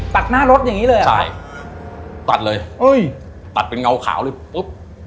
ตัดหน้ารถอย่างงี้เลยอ่ะใช่ตัดเลยเอ้ยตัดเป็นเงาขาวเลยปุ๊บ